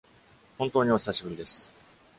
本当にお久しぶりです！